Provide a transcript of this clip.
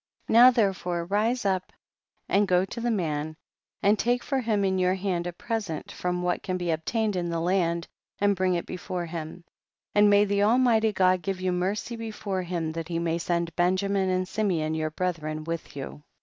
23. Now therefore rise up and go to the man, and take for him in your hands a present from what can be obtained in the land and bring it be fore him, and may the Almighty God give you mercy before him that he may send Benjamin and Simeon your brethren with you.